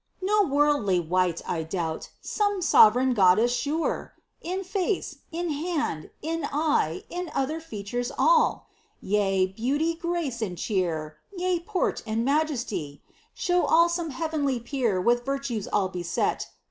No worldly wight, I doubt — some sovereign goddess, sure 1 In &ce, in hand, in eye, in other features all, Yea, beauty, grace, and cheer — ^yea, port and majesty, Shew all some heavenly peer with virtues all beset.